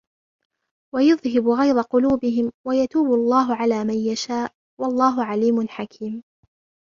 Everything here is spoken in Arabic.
وَيُذْهِبْ غَيْظَ قُلُوبِهِمْ وَيَتُوبُ اللَّهُ عَلَى مَنْ يَشَاءُ وَاللَّهُ عَلِيمٌ حَكِيمٌ